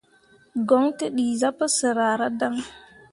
Goŋ tǝ dii zah pǝsǝr ahradaŋ.